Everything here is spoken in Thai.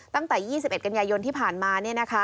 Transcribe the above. ตั้งแต่๒๑กันยายนที่ผ่านมา